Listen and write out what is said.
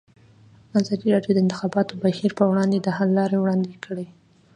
ازادي راډیو د د انتخاباتو بهیر پر وړاندې د حل لارې وړاندې کړي.